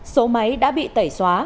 số máy đã bị tẩy xóa